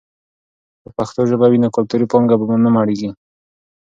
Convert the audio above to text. که پښتو ژبه وي، نو کلتوري پانګه به نه مړېږي.